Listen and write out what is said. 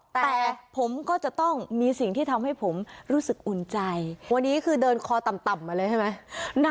แต่ผมก็จะต้องมีสิ่งที่ทำให้ผมรู้สึกอุ่นใจวันนี้คือเดินคอต่ำมาเลยใช่ไหม